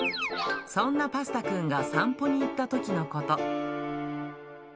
そんなパスタくんが散歩に行ったときのこと。